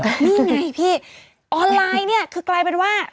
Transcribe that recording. นี่ไงพี่ออนไลน์เนี่ยคือกลายเป็นว่า